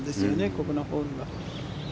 ここのホールは。